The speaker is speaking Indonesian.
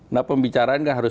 nah pembicaraan kan harus